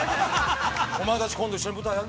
おまえたち、今度一緒に舞台やる